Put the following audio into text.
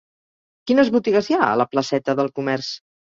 Quines botigues hi ha a la placeta del Comerç?